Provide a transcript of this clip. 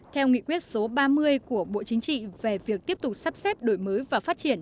theo nghị quyết số ba mươi của bộ chính trị về việc tiếp tục sắp xếp đổi mới và phát triển